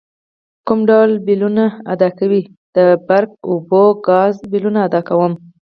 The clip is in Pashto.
کوم ډول بیلونه ادا کوئ؟ د بریښنا، اوبو او ګازو بیلونه ادا کوم